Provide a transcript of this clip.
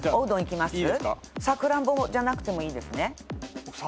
さくらんぼじゃなくてもいいですね？